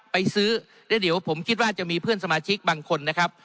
ไปซื้อแล้วเดี๋ยวผมคิดว่าจะมีเพื่อนสมาชิกบางคนนะครับ